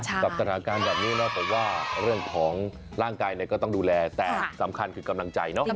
กับสถานการณ์แบบนี้เนาะแต่ว่าเรื่องของร่างกายเนี่ยก็ต้องดูแลแต่สำคัญคือกำลังใจเนาะ